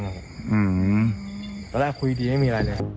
ตอนแรกคุยดีไม่มีอะไรเลย